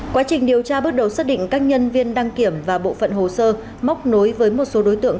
quá trình điều tra bước đầu xác định các nhân viên đăng kiểm và bộ phận hồ sơ móc nối với một số đối tượng